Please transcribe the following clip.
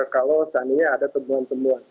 kalau seandainya ada temuan temuan